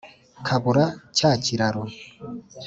kabura cya kiraro